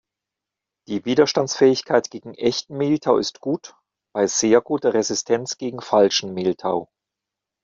Die Widerstandsfähigkeit gegen echten Mehltau ist gut, bei sehr guter Resistenz gegen falschen Mehltau.